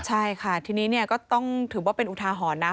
ใช่ค่ะทีนี้ก็ต้องถือว่าเป็นอุทาหรณ์นะ